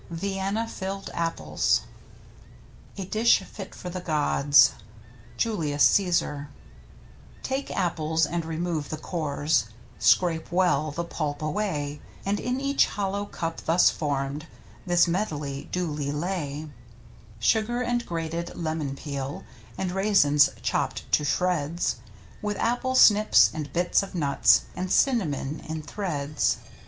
VIENNA FILLED APPLES A dish fit for the gods. — Julius Caesar. Take apples and remove the cores, Scrape well the pulp away, And in each hollow cup thus formed This medley duly lay: Sugar, and grated lemon peel, And raisins chopped to shreds. With apple snips, and bits of nuts. And cinnamon in threads.